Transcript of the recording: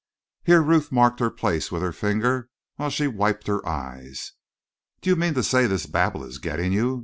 Here Ruth marked her place with her finger while she wiped her eyes. "Do you mean to say this babble is getting you?"